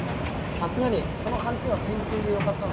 さすがにその判定は先生でよかったの。